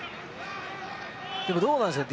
でも、どうなんですかね。